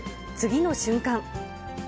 次の瞬間。